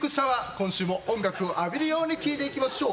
今週も音楽浴びるように聴いていきましょう。